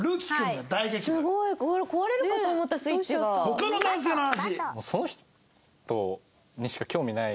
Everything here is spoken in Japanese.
他の男性の話。